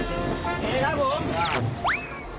โอเคครับผม